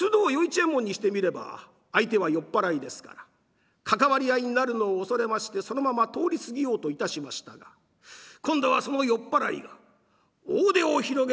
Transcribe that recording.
右衛門にしてみれば相手は酔っ払いですから関わり合いになるのを恐れましてそのまま通り過ぎようといたしましたが今度はその酔っ払いが大手を広げて須藤与一